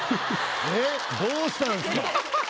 えっどうしたんですか？